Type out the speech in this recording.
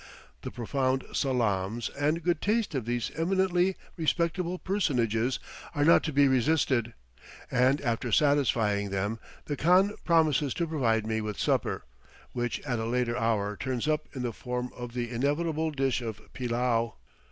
The profound salaams and good taste of these eminently respectable personages are not to be resisted, and after satisfying them, the khan promises to provide me with supper, which at a later hour turns up in the form of the inevitable dish of pillau.